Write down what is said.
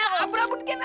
kamu tidak ada